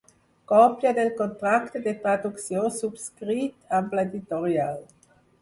Còpia del contracte de traducció subscrit amb l'editorial.